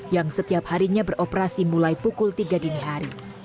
yang setiap harinya beroperasi mulai pukul tiga dini hari